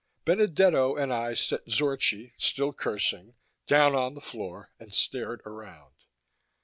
Benedetto and I set Zorchi still cursing down on the floor and stared around.